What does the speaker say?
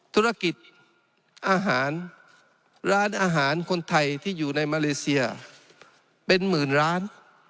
ธุรกิจอาหารร้านอาหารคนไทยที่อยู่ในมาเลเซียเป็นหมื่นล้าน